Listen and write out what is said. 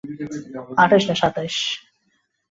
নীরেন বলিল, কি যেন পড়ে গেল খুকি!